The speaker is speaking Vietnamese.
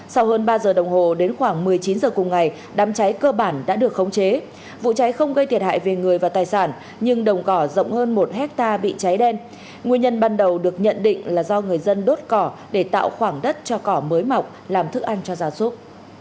sau hơn ba giờ đồng hồ đến khoảng một mươi chín h cùng ngày đám cháy cơ bản đã được khống chế vụ cháy không gây thiệt hại về người và tài sản nhưng đồng cỏ rộng hơn một hectare bị cháy đen nguyên nhân ban đầu được nhận định là do người dân đốt cỏ để tạo khoảng đất cho cỏ mới mọc làm thức ăn cho gia súc